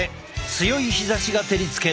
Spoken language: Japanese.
強い日ざしが照りつける。